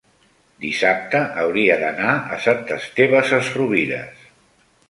dissabte hauria d'anar a Sant Esteve Sesrovires.